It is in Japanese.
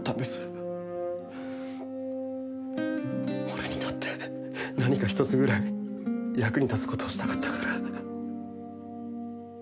俺にだって何か一つぐらい役に立つ事をしたかったから。